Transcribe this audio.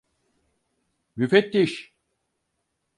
Müfettiş!